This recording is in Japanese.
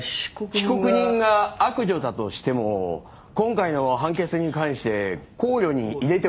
被告人が悪女だとしても今回の判決に関して考慮に入れてはいけない。